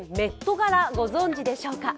・ガラご存じでしょうか。